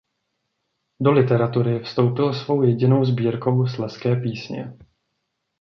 Do literatury vstoupil svou jedinou sbírkou Slezské písně.